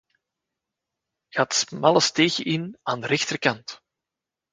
Ga het smalle steegje in aan de rechterkant.